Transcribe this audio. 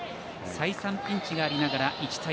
再三、ピンチがありながら１対０。